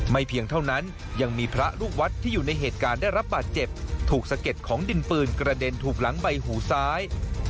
เพียงเท่านั้นยังมีพระลูกวัดที่อยู่ในเหตุการณ์ได้รับบาดเจ็บถูกสะเก็ดของดินปืนกระเด็นถูกหลังใบหูซ้าย